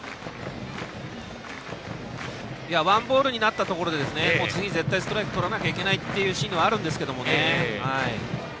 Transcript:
ワンボールになったところで次、絶対ストライクをとらなければいけないシーンではあるんですけどね。